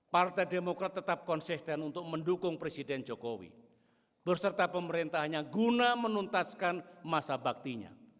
partai demokrat tetap konsisten untuk mendukung presiden jokowi berserta pemerintahnya guna menuntaskan masa baktinya